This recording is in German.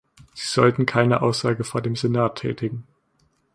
Sie sollten keine Aussage vor dem Senat tätigen.